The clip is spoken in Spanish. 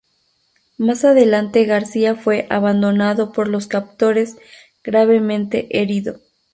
Más adelante García fue abandonado por los captores gravemente herido.